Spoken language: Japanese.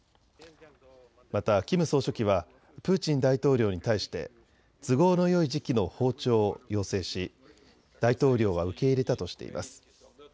またキム総書記はプーチン大統領に対して都合のよい時期の訪朝を要請し、大統領は受け入れたとしています。